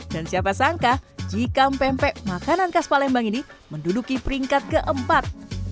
dan siapa sangka jika pempek makanan khas palembang ini menduduki peringkat keempat